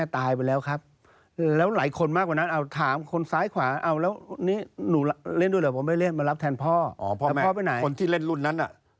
ถ้าหกสิบกว่าไม่มีอยู่ซะคนฮ๊ะสมัยนั้น